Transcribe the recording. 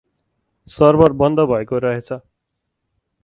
Server बन्द भएको रहेछ ।